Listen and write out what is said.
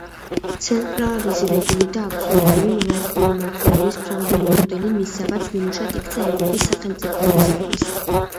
ცენტრალიზებული და აბსოლუტური მონარქიული მართველობის ფრანგული მოდელი მისაბაძ ნიმუშად იქცა ევროპის სახელმწიფოებისათვის.